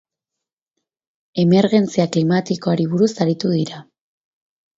Emergentzia klimatikoari buruz aritu dira.